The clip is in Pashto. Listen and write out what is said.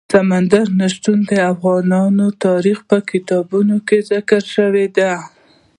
سمندر نه شتون د افغان تاریخ په کتابونو کې ذکر شوی دي.